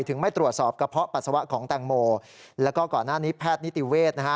ไม่ตรวจสอบกระเพาะปัสสาวะของแตงโมแล้วก็ก่อนหน้านี้แพทย์นิติเวศนะฮะ